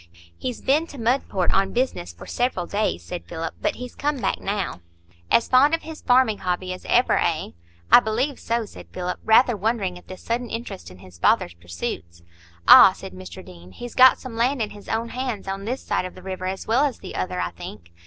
"He's been to Mudport on business for several days," said Philip; "but he's come back now." "As fond of his farming hobby as ever, eh?" "I believe so," said Philip, rather wondering at this sudden interest in his father's pursuits. "Ah!" said Mr Deane, "he's got some land in his own hands on this side the river as well as the other, I think?"